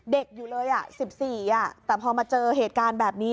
เด็กอยู่เลย๑๔แต่พอมาเจอเหตุการณ์แบบนี้